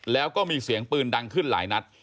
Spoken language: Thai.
แล้วก็มีเสียงปืนดังขึ้นหลายนัด